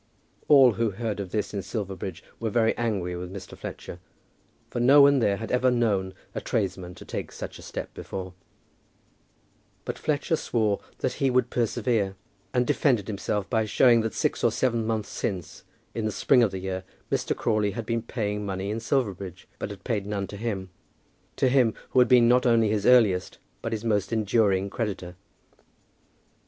All who heard of this in Silverbridge were very angry with Mr. Fletcher, for no one there had ever known a tradesman to take such a step before; but Fletcher swore that he would persevere, and defended himself by showing that six or seven months since, in the spring of the year, Mr. Crawley had been paying money in Silverbridge, but had paid none to him, to him who had been not only his earliest, but his most enduring creditor.